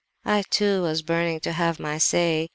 "I, too, was burning to have my say!